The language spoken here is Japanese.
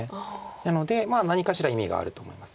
なので何かしら意味があると思います。